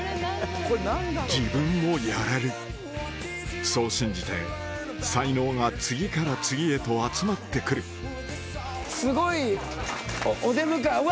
自分もやれるそう信じて才能が次から次へと集まってくるすごいお出迎えうわ